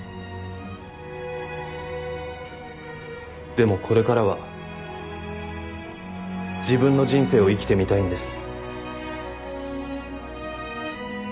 でもこれからは自分の人生を生きてみたいんです。